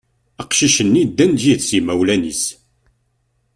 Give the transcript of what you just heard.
Aqcic-nni ddan-d yid-s yimawlan-is.